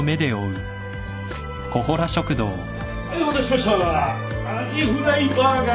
はいお待たせしましたあじフライバーガー！